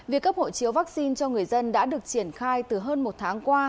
việc cấp hộ chiếu vaccine cho người dân đã được triển khai từ hơn một tháng qua